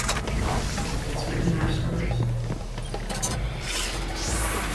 Its written in our stars.